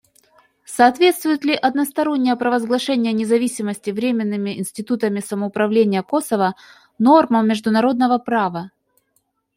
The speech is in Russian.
«Соответствует ли одностороннее провозглашение независимости временными институтами самоуправления Косово нормам международного права?».